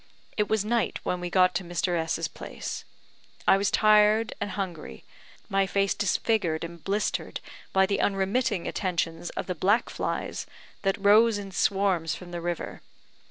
It was night when we got to Mr. 's place. I was tired and hungry, my face disfigured and blistered by the unremitting attentions of the blackflies that rose in swarms from the river.